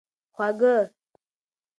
خواږه